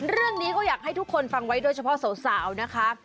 เรื่องนี้ก็อยากให้ทุกคนฟังไว้โดยเฉพาะสาวนะคะ